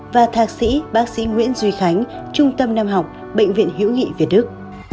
và thạc sĩ bác sĩ nguyễn duy khánh trung tâm nam học bệnh viện hữu nghị việt đức